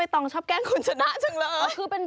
ติดตามทางราวของความน่ารักกันหน่อย